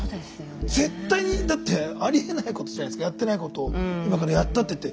絶対にありえないことじゃないですかやってないことをやったって言って。